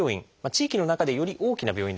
地域の中でより大きな病院ですね